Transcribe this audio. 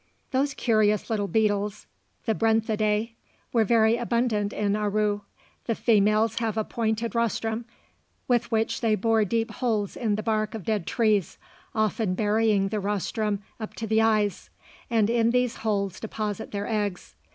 Those curious little beetles, the Brenthidae, were very abundant in Aru. The females have a pointed rostrum, with which they bore deep holes in the bark of dead trees, often burying the rostrum up to the eyes, and in these holes deposit their eggs.